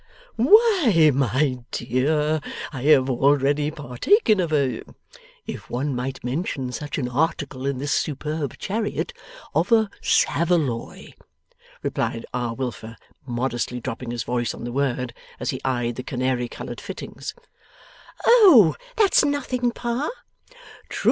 'Why, my dear, I have already partaken of a if one might mention such an article in this superb chariot of a Saveloy,' replied R. Wilfer, modestly dropping his voice on the word, as he eyed the canary coloured fittings. 'Oh! That's nothing, Pa!